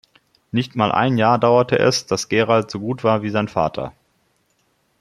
Nicht mal ein Jahr dauerte es, dass Gerald so gut war wie sein Vater.